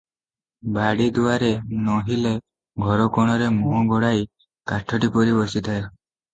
ବାଡ଼ିଦୁଆରେ, ନୋହିଲେ ଘରକୋଣରେ ମୁହଁ ଘୋଡାଇ କାଠଟି ପରି ବସିଥାଏ।